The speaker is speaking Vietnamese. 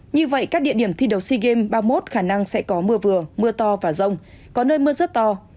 như vậy các địa điểm thi đầu sea games ba mươi một khả năng sẽ có mưa vừa mưa to và rông có nơi mưa rất to